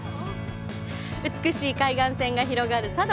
美しい海岸線が広がる佐渡